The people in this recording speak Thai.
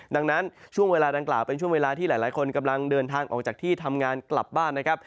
ดังนั้นช่วงเวลาดังกล่าวเป็นช่วงเวลาที่หลายคนกำลังเดินทางออกจากที่ทำงานกลับบ้านนะครับ